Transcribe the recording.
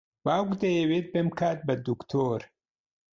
باوک دەیەوێت بمکات بە دکتۆر.